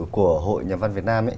của hội nhà văn việt nam